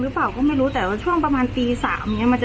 รึเปล่าก็ไม่รู้แต่ว่าช่วงประมาณตีสามเนี้ยมันจะ